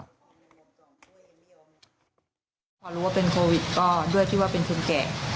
พอรู้ว่าเป็นโควิดก็ด้วยที่ว่าเป็นคนแก่